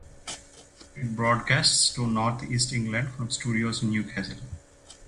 It broadcasts to North East England from studios in Newcastle.